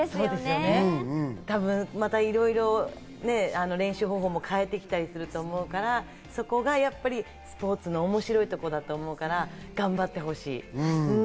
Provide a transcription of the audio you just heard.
また多分いろいろ練習方法も変えてきたりすると思うから、そこはやっぱりスポーツの面白いところだと思うから頑張ってほしい。